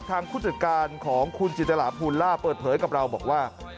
ทางคุณจิตรการของคุณจิตราพูลล่าเปิดเผยกับเราบอกว่า